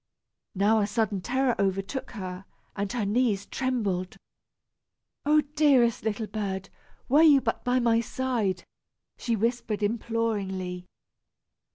Now a sudden terror overtook her, and her knees trembled. "Oh, dearest little bird, were you but by my side!" she whispered imploringly.